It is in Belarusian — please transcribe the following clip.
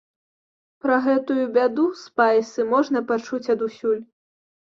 Пра гэтую бяду, спайсы, можна пачуць адусюль.